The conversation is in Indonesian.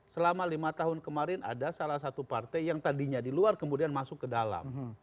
selama lima tahun kemarin ada salah satu partai yang tadinya di luar kemudian masuk ke dalam